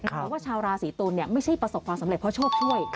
เพราะว่าชาวราศีตุลไม่ใช่ประสบความสำเร็จเพราะโชคช่วย